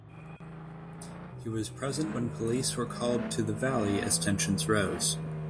He was present when police were called to The Valley as tensions rose.